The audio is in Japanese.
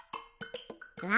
うわ！